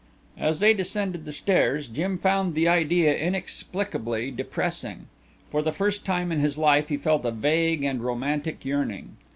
As they descended the stairs Jim found the idea inexplicably depressing. For the first time in his life he felt a vague and romantic yearning.